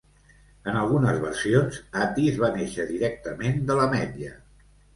En algunes versions, Attis va néixer directament de l'ametlla.